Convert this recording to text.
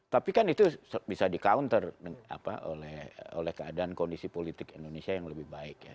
tapi kan itu bisa di counter oleh keadaan kondisi politik indonesia yang lebih baik ya